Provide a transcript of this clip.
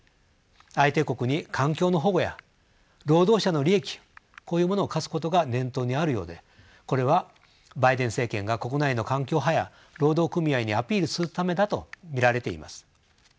相手国に環境の保護や労働者の利益こういうものを課すことが念頭にあるようでこれはバイデン政権が国内の環境派や労働組合にアピールするためだと見られています。